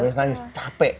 ampir nangis capek